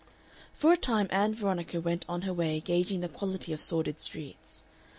For a time Ann Veronica went on her way gauging the quality of sordid streets.